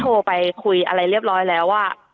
โทรไปคุยอะไรเรียบร้อยแล้วว่า